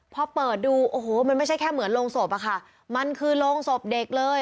พอเปิดดูโอ้โหมันไม่ใช่แค่เหมือนโรงศพอะค่ะมันคือโรงศพเด็กเลย